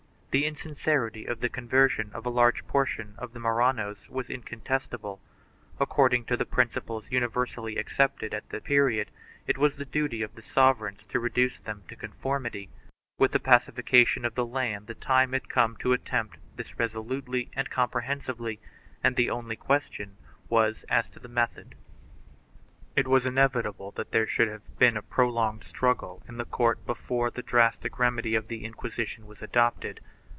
1 The insincerity of the conversion of a large portion of the Marranos was incontestable; according to the principles universally accepted at the period it was the duty of the sov ereigns to reduce them to conformity; with the pacification of the land the time had come to attempt this resolutely and com prehensively and the only question was as to the method. It was inevitable that there should have been a prolonged strug gle in the court before the drastic remedy of the Inquisition was adopted.